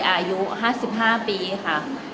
อายุ๕๕ปีค่ะ